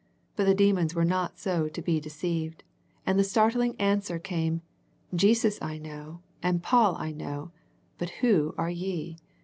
But demons were not so to be de ceived, and the startling answer came " Jesus I know, and Paul I know; but who are ye?